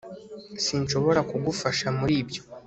sinshobora kugufasha muri ibyo